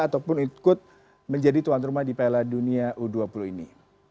ataupun ikut menjadi tuan rumah di piala dunia u dua puluh ini